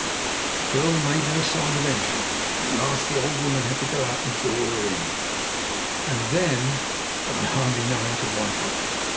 But the girl made no sign of entering, and at last the old woman had to go out and draw her in. And then but I hardly know how to write it.